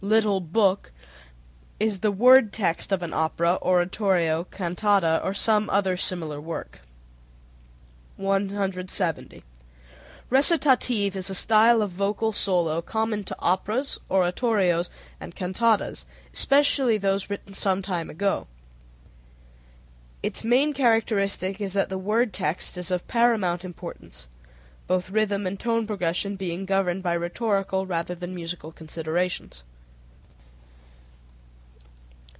little book) is the word text of an opera, oratorio, cantata, or some other similar work. 170. Recitative is a style of vocal solo common to operas, oratorios, and cantatas, especially those written some time ago. Its main characteristic is that the word text is of paramount importance, both rhythm and tone progression being governed by rhetorical rather than by musical considerations.